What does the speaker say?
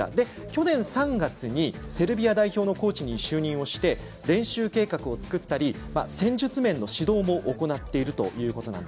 去年３月にセルビア代表のコーチに就任して練習計画を作ったり戦術面の指導も行っていると。